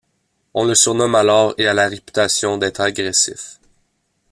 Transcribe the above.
On le surnomme alors et a la réputation d'être agressif.